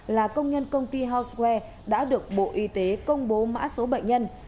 là công nhân công ty honsware đã được bộ y tế công bố mã số bệnh nhân